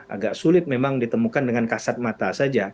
agak sulit memang ditemukan dengan kasat mata saja